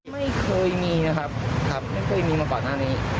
ไม่เคยมีนะครับไม่เคยมีมาก่อนอันนี้